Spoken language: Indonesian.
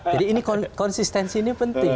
jadi konsistensi ini penting